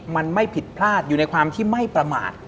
มันไม่ผิดพลาดอยู่ในความที่ไม่ประมาท